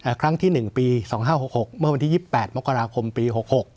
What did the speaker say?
เอ่อครั้งที่หนึ่งปีสองห้าหกหกเมื่อวันที่ยิบแปดมกราคมปีหกหก